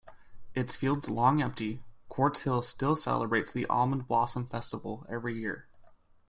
Its fields long empty, Quartz Hill still celebrates the Almond Blossom Festival every year.